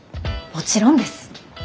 もちろんです。